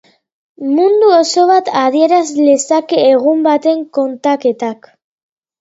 Mundu oso bat adieraz lezake egun baten kontaketak.